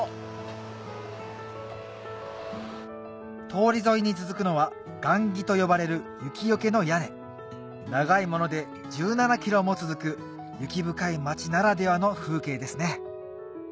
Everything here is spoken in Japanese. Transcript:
通り沿いに続くのは雁木と呼ばれる雪よけの屋根長いもので１７ｋｍも続く雪深い町ならではの風景ですね